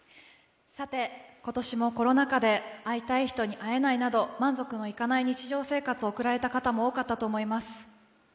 今年もコロナ禍で会いたい人に会えないなど、満足のいかない日常生活を送られた方も多かったと思います。